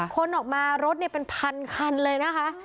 คนออกมารถเป็นพันคันเลยนะคะ